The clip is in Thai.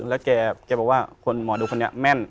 แล้วแกบอกว่าคนหมอดูคนนี้แม่น